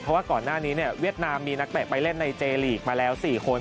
เพราะว่าก่อนหน้านี้เนี่ยเวียดนามมีนักเตะไปเล่นในเจลีกมาแล้ว๔คน